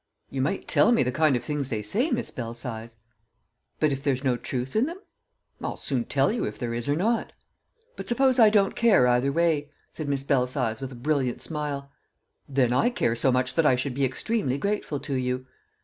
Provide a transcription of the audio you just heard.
"You might tell me the kind of things they say, Miss Belsize!" "But if there's no truth in them?" "I'll soon tell you if there is or not." "But suppose I don't care either way?" said Miss Belsize with a brilliant smile. "Then I care so much that I should be extremely grateful to you."